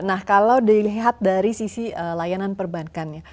nah kalau dilihat dari sisi layanan perbankannya